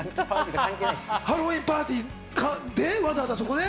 ハロウィーンパーティーで、わざわざそこで？